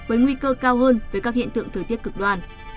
với nguy cơ cao hơn với các hiện tượng thời tiết cực đoan